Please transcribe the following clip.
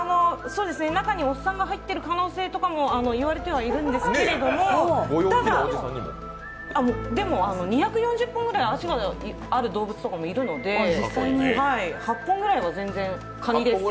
中におっさんが入っている可能性とかも言われてはいるんですけれども、でも２４０本ぐらい脚がある動物もいるので８本ぐらいは全然、かにです。